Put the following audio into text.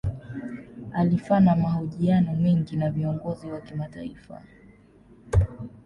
Alifanya mahojiano mengi na viongozi wa kimataifa.